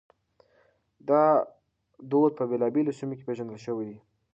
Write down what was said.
دا دود په بېلابېلو سيمو کې پېژندل شوی دی.